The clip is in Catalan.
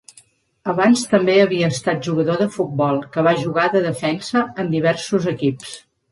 Abans també havia estat jugador de futbol, que va jugar de defensa en diversos equips.